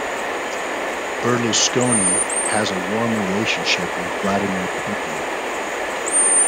Berlusconi has a warm relationship with Vladimir Putin.